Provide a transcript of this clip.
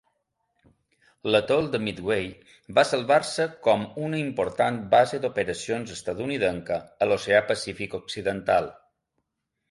L'atol de Midway va salvar-se com una important base d'operacions estatunidenca a l'oceà Pacífic occidental.